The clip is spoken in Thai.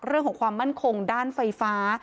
เรื่องของความมั่นคงด้านไฟฟ้า